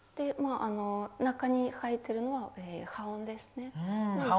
中に入っているのは半音ですね。